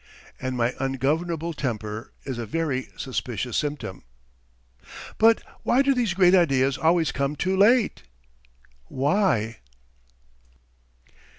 And my ungovernable temper is a very suspicious symptom. But why do these great ideas always come too late? Why?